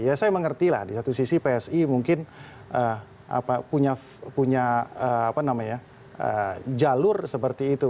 ya saya mengerti lah di satu sisi psi mungkin punya jalur seperti itu